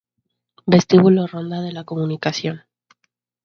Vestíbulo Ronda de la Comunicación